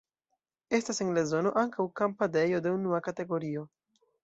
Estas en la zono ankaŭ kampadejo de unua kategorio.